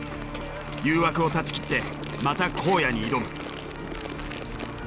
誘惑を断ち切ってまた荒野に挑む。